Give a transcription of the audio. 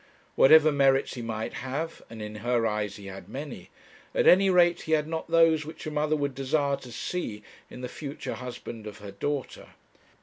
Whatever merits he might have and in her eyes he had many at any rate he had not those which a mother would desire to see in the future husband of her daughter.